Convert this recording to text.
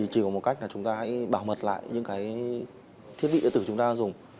chỉ có một cách là chúng ta hãy bảo mật lại những cái thiết bị điện tử chúng ta dùng